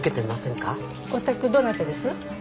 お宅どなたです？